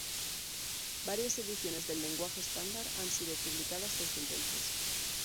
Varias ediciones del lenguaje estándar han sido publicadas desde entonces.